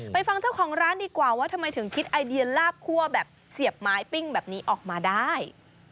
ฟังเจ้าของร้านดีกว่าว่าทำไมถึงคิดไอเดียลาบคั่วแบบเสียบไม้ปิ้งแบบนี้ออกมาได้